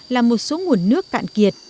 là một số nguồn nước cạn kiệt